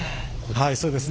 はいそうですね